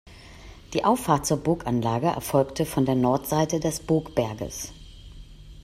Die Auffahrt zur Burganlage erfolgte von der Nordseite des Burgberges.